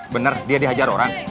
bener dia dihajar orang